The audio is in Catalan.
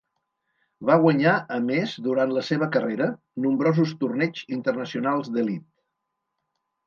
Va guanyar a més durant la seva carrera nombrosos torneigs internacionals d'elit.